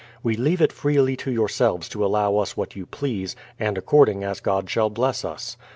We leave it freely to yourselves to allow us what you please, and according as God shall bless us.